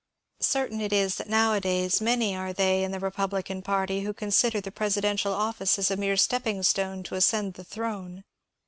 Certain it is that nowadays many are they in the republican party who consider the presidential office as a mere stepping stone to ascend the throne.